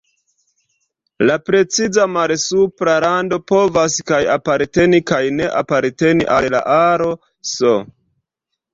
La preciza malsupra rando povas kaj aparteni kaj ne aparteni al la aro "S".